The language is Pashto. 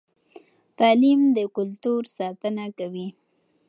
تعلیم د کلتور ساتنه کوي.